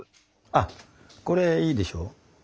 あっこれいいでしょう？